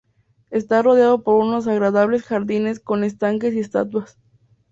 Está rodeado por unos agradables jardines con estanques y estatuas.